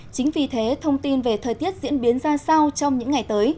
chính vì thế thông tin về thời tiết diễn biến ra sau trong những ngày tới